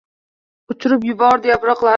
Uchirib yubordi yaproqlarini.